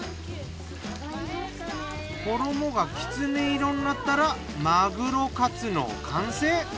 衣がきつね色になったらまぐろカツの完成。